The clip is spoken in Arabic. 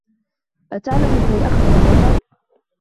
أَتُعْلَمُ كَيْ أَخْدُمَ الْوَطَنَ.